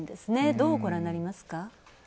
どうご覧になりますか？